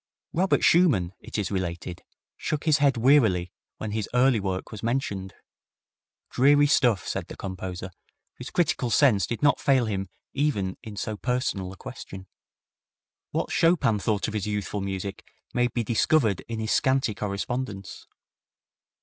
Robert Schumann, it is related, shook his head wearily when his early work was mentioned. "Dreary stuff," said the composer, whose critical sense did not fail him even in so personal a question. What Chopin thought of his youthful music may be discovered in his scanty correspondence.